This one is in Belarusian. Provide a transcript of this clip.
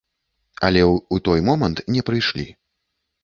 Але ў той момант не прыйшлі.